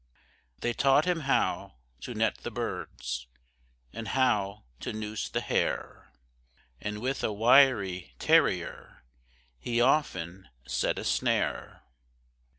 They taught him how to net the birds, And how to noose the hare; And with a wiry terrier, He often set a snare.